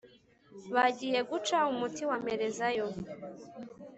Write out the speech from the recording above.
bagiye guca umuti wamperezayo